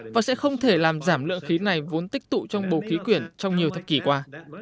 và sẽ không thể làm giảm lượng khí này vốn tích tụ trong bộ khí quyển trong nhiều thập kỷ qua